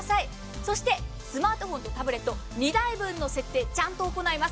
そしてスマートフォンとタブレット、２台分の契約ちゃんと行います。